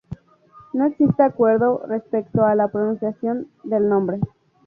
No existe acuerdo respecto a la pronunciación del nombre.